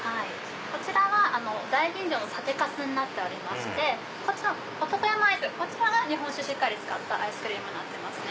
こちらは大吟醸の酒かすになっておりましてこっちの男山アイスが日本酒しっかり使ったアイスクリームになってますね。